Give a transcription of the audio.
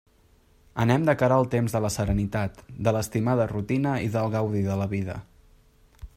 Anem de cara al temps de la serenitat, de l'estimada rutina i del gaudi de la vida.